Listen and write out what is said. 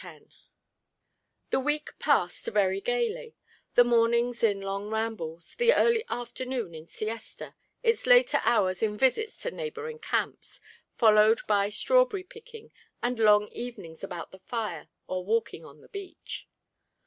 X The week passed very gaily; the mornings in long rambles, the early afternoon in siesta, its later hours in visits to neighbouring camps, followed by strawberry picking and long evenings about the fire or walking on the beach.